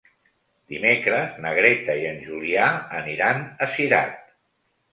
Dimecres na Greta i en Julià aniran a Cirat.